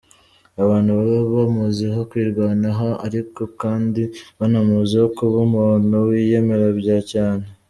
Abantu baba bamuziho kwirwanaho ariko kandi banamuziho kuba umuntu wiyemera bya cyane.